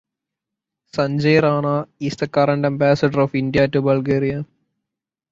Sanjay Rana is the current Ambassador of India to Bulgaria.